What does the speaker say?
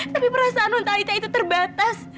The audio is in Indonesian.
tapi perasaan ontanita itu terbatas